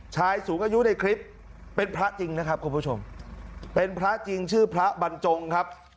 ชายสูงอายุในคลิปเป็นพระจริงนะครับคุณผู้ชมเป็นพระจริงชื่อพระบรรจงครับ